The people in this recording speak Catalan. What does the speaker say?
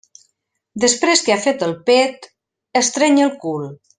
Després que ha fet el pet, estreny el cul.